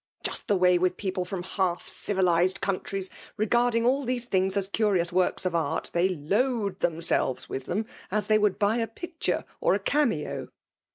Just the way wiA people from half eiTiKzed couatriesl TiBgrntdrng all these things as curious woricB of art, fhej load themselTes with them, as they wmdi Imj a pictioe or a eameo.